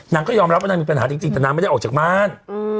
นางก็ยอมรับว่านางมีปัญหาจริงแต่นางไม่ได้ออกจากบ้าน